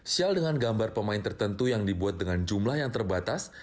shell dengan gambar pemain tertentu yang dibuat dengan jumlah yang terbatas